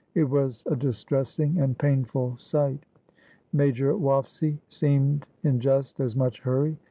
It was a distressing and painful sight. Major Waffsy seemed in just as much hurry.